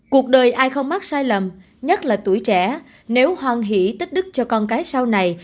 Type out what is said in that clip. cuộc đời ai không mắc sai lầm nhất là tuổi trẻ nếu hoang hỉ tích đức cho con cái sau này